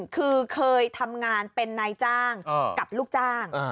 คือเคยทำงานเป็นนายจ้างกับลูกจ้าง